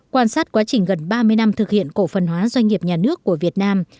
quan sát quá trình gần ba mươi năm thực hiện cổ phần hóa doanh nghiệp nhà nước của việt nam